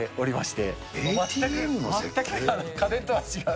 全く家電とは違う。